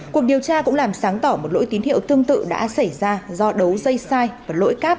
cuộc điều tra cũng làm sáng tỏ một lỗi tín hiệu tương tự đã xảy ra do đấu dây sai và lỗi cáp